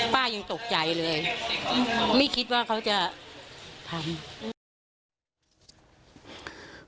ป้ายังตกใจเลยไม่คิดว่าเขาจะทำ